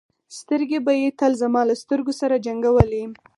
سترګې به یې تل زما له سترګو سره جنګولې.